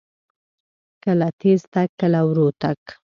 کله تیز تګ، کله ورو تګ.